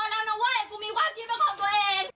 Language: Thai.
กูต่อแล้วนะเว้ยกูมีความคิดมาของตัวเอง